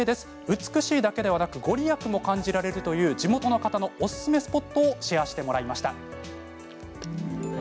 美しいだけではなく御利益も感じられる地元の方のおすすめスポットをシェアしてもらいました。